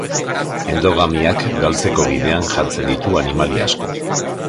Endogamiak galtzeko bidean jartzen ditu animalia asko.